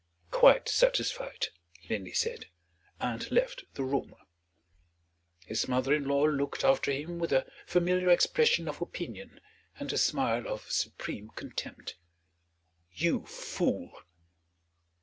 "Quite satisfied," Linley said and left the room. His mother in law looked after him with a familiar expression of opinion, and a smile of supreme contempt. "You fool!"